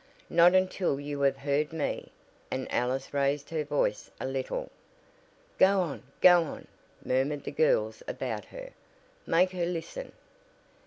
"Not until you have heard me," and Alice raised her voice a little. "Go on! Go on!" murmured the girls about her. "Make her listen."